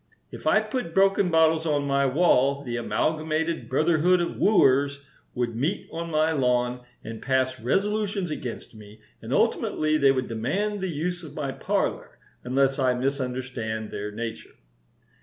If I put broken bottles on my wall the Amalgamated Brotherhood of Wooers would meet on my lawn and pass resolutions against me, and ultimately they would demand the use of my parlor, unless I misunderstand their nature.